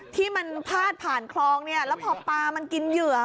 ที่มันพาดผ่านคลองเนี่ยแล้วพอปลามันกินเหยื่อ